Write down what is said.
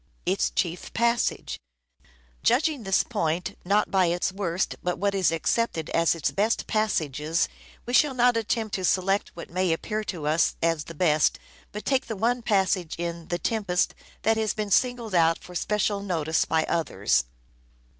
its chief Judging this point, not by its worst, but what is accepted as its best passages, we shall not attempt to select what may appear to us as the best, but take the one passage in " The Tempest " tnat has been singled out for special notice by others.